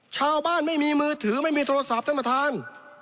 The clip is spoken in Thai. ชาวบ้านไม่มีมือถือไม่มีโทรศัพท์ท่านประธาน